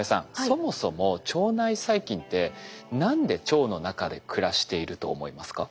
そもそも腸内細菌って何で腸の中で暮らしていると思いますか？